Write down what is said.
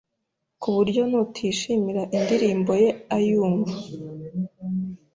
ku buryo nutishimira indirimbo ye ayumva